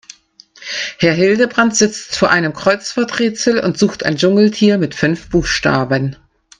Herr Hildebrand sitzt vor einem Kreuzworträtsel und sucht ein Dschungeltier mit fünf Buchstaben.